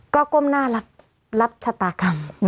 ก็ก้มหน้ารับชะตากรรม